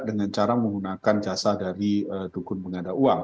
dengan cara menggunakan jasa dari dukun pengganda uang